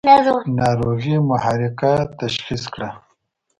ناروغي محرقه تشخیص کړه.